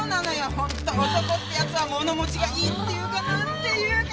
本当男ってやつは物持ちがいいっていうかなんていうかもう。